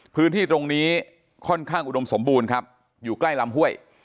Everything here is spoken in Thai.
พื้นที่ตรงนี้ค่อนข้างอุดมสมบูรณ์ครับอยู่ใกล้ลำห้วย